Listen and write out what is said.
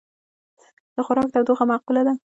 د خوراک تودوخه معقوله وي.